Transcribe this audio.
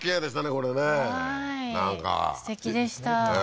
これねはいすてきでしたええ